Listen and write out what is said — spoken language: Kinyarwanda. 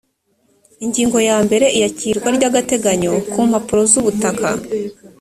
ingingo ya mbere iyakirwa ry agateganyo kumpapuro zubutaka